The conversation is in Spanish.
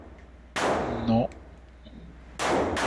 Las anteras glabras y bifurcadas.